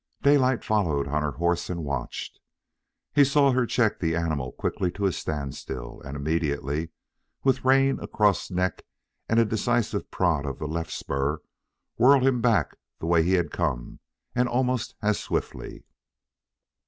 Daylight followed on her horse and watched. He saw her check the animal quickly to a standstill, and immediately, with rein across neck and a decisive prod of the left spur, whirl him back the way he had come and almost as swiftly.